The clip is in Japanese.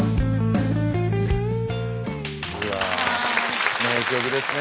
うわあ名曲ですね